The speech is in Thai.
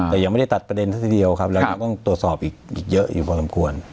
แต่ยังไม่ได้ตัดประเด็นซะทีเดียวครับเรายังต้องตรวจสอบอีกเยอะอยู่พอสมควร